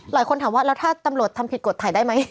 หลายคนถามว่าแล้วถ้าตำรวจทำผิดกฎถ่ายได้ไหม